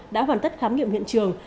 đã hoàn tất khám nghiệm hiện trường